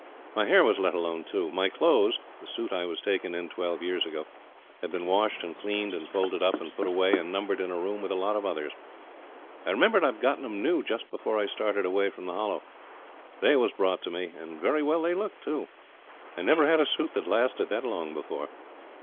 My hair was let alone, too. My clothes the suit I was taken in twelve years ago had been washed and cleaned and folded up, and put away and numbered in a room with a lot of others. I remember I'd got 'em new just before I started away from the Hollow. They was brought to me, and very well they looked, too. I never had a suit that lasted that long before.